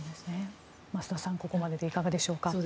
増田さん、ここまででいかがでしょうか。